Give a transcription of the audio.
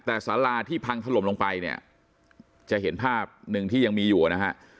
แต่สาราที่พังถล่มลงไปเนี่ยจะเห็นภาพหนึ่งที่ยังมีอยู่นะฮะ